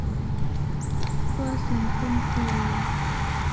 Toa sentensi wewe